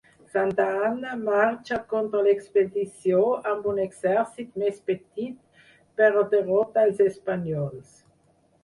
Santa Anna marxà contra l'expedició amb un exèrcit més petit, però derrota els espanyols.